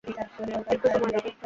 একটু সময় দাও।